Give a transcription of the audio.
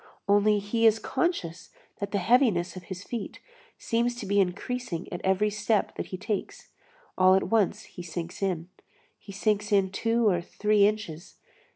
Only he is conscious that the heaviness of his feet seems to be increasing at every step that he takes. All at once he sinks in. He sinks in two or three inches.